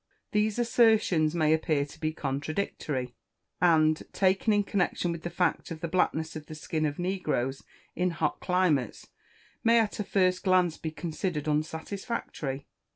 These assertions may appear to be contradictory, and, taken in connection with the fact of the blackness of the skin of negroes in hot climates, may at a first glance be considered unsatisfactory.